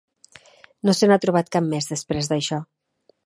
No se n'ha trobat cap més després d'això.